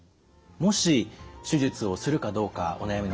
もし手術をするかどうかお悩みの方